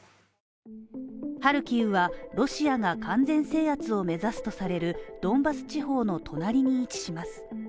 ハルキウはロシアが完全制圧を目指すとされるドンバス地方の隣に位置します。